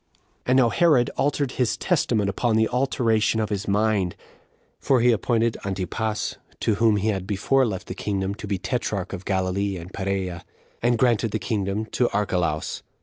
1. And now Herod altered his testament upon the alteration of his mind; for he appointed Antipas, to whom he had before left the kingdom, to be tetrarch of Galilee and Perea, and granted the kingdom to Archelaus.